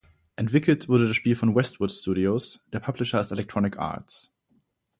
Entwickelt wurde das Spiel von Westwood Studios, der Publisher ist Electronic Arts.